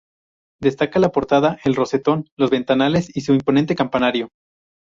Destaca la portada, el rosetón, los ventanales y su imponente campanario.